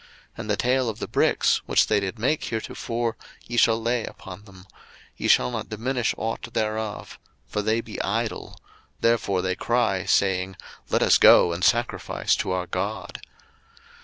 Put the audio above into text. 02:005:008 And the tale of the bricks, which they did make heretofore, ye shall lay upon them; ye shall not diminish ought thereof: for they be idle; therefore they cry, saying, Let us go and sacrifice to our God.